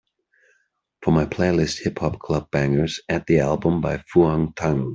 For my playlist hip hop club bangers add the album by Phuong Thanh